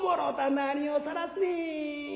何をさらすねん。